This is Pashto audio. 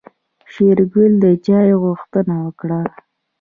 شېرګل د چاي غوښتنه وکړه.